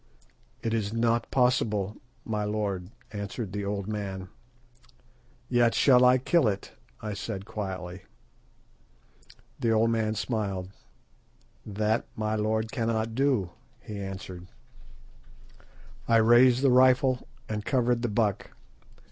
"It is not possible, my lord," answered the old man. "Yet shall I kill it," I said quietly. The old man smiled. "That my lord cannot do," he answered. I raised the rifle and covered the buck.